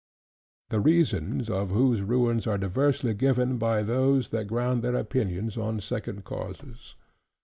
The reasons of whose ruins, are diversely given by those that ground their opinions on second causes.